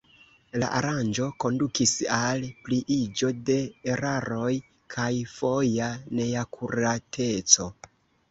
La aranĝo kondukis al pliiĝo de eraroj kaj foja neakurateco.